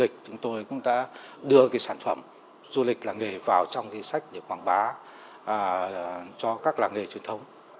chúng tôi tập trung vào công tác khảo tuyển